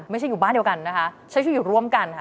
อยู่บ้านเดียวกันนะคะใช้ชีวิตอยู่ร่วมกันค่ะ